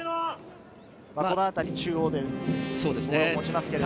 このあたり中央でボールを持ちますね。